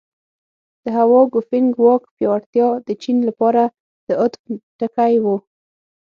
د هوا ګوفینګ واک پیاوړتیا د چین لپاره د عطف ټکی و.